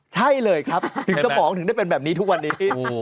ใช่เลยครับถึงสมองถึงได้เป็นแบบนี้ทุกวันนี้